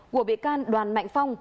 của bị can đoàn mạnh phong